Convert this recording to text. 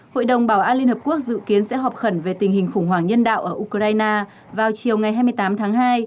hội đồng bảo an liên hợp quốc dự kiến sẽ họp khẩn về tình hình khủng hoảng nhân đạo ở ukraine vào chiều ngày hai mươi tám tháng hai